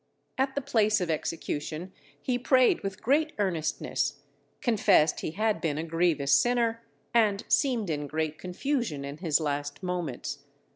At the place of execution he prayed with great earnestness, confessed he had been a grievous sinner, and seemed in great confusion in his last moments.